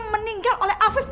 meninggal oleh afif